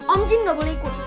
om jin gak boleh ikut